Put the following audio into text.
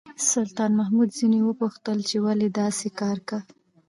سلطان محمود ځنې وپوښتل چې ولې داسې کا.